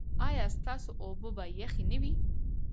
ایا ستاسو اوبه به یخې نه وي؟